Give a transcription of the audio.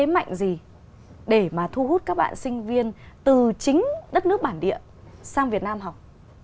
thế mạnh gì để mà thu hút các bạn sinh viên từ chính đất nước bản địa sang việt nam học